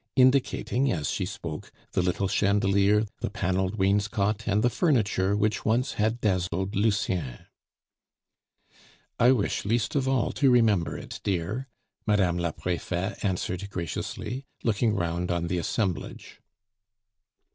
indicating, as she spoke, the little chandelier, the paneled wainscot, and the furniture, which once had dazzled Lucien. "I wish least of all to remember it, dear," Madame la Prefete answered graciously, looking round on the assemblage.